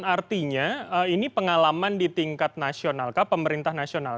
artinya ini pengalaman di tingkat nasional kah pemerintah nasional